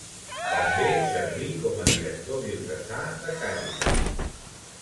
També serví com a director diocesà de Càritas.